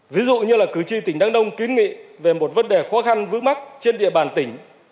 ví dụ như là cử tri tỉnh đăng đông kiến nghị về một vấn đề khó khăn vướng mắt trên địa bàn tỉnh